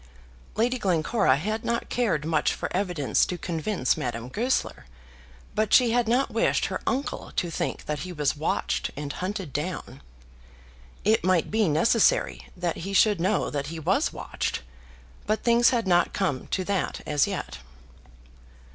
Lady Glencora had not cared much for evidence to convince Madame Goesler, but she had not wished her uncle to think that he was watched and hunted down. It might be necessary that he should know that he was watched, but things had not come to that as yet.